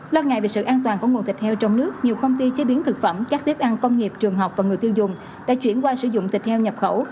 lo ngại về sự an toàn của nguồn thịt heo trong nước nhiều công ty chế biến thực phẩm các bếp ăn công nghiệp trường học và người tiêu dùng đã chuyển qua sử dụng thịt heo nhập khẩu